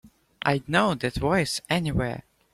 I'd know that voice anywhere.